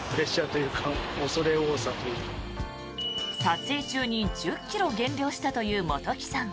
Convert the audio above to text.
撮影中に１０ｋｇ減量したという本木さん。